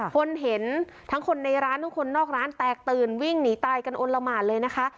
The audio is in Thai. คนเห็นทั้งคนในร้านทั้งคนนอกร้านแตกตื่นวิ่งหนีตายกันอลละหมานเลยนะคะ